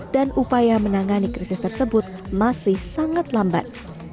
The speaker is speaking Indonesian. upaya menangani krisis tersebut masih sangat lambat